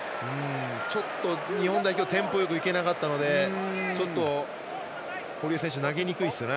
ちょっと日本代表テンポよくいけなかったので堀江選手投げにくいですよね。